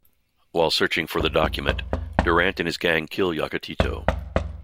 While searching for the document, Durant and his gang kill Yakatito.